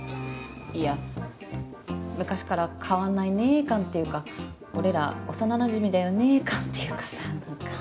いや昔から変わんないねぇ感っていうか俺ら幼なじみだよねぇ感っていうかさ何か。